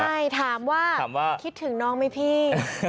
ใช่ถามว่าคิดถึงน้องไหมพี่